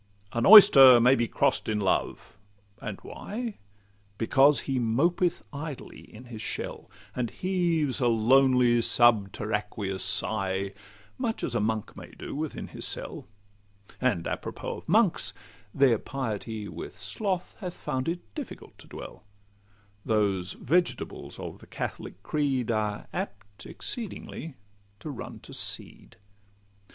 'An oyster may be cross'd in love,'—and why? Because he mopeth idly in his shell, And heaves a lonely subterraqueous sigh, Much as a monk may do within his cell: And a propos of monks, their piety With sloth hath found it difficult to dwell; Those vegetables of the Catholic creed Are apt exceedingly to run to seed.